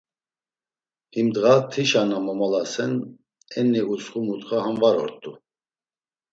Him ndğa, tişa na momalasen enni utsxu mutxa ham var ort̆u.